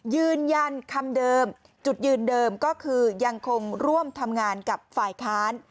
ยืนยันคำเดิมจุดยืนเดิมก็คือยังคงร่วมทำงานกับฝ่ายค้าน